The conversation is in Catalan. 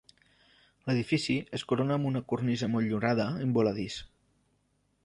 L'edifici es corona amb una cornisa motllurada en voladís.